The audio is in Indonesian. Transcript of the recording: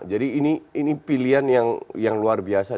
jadi ini pilihan yang luar biasa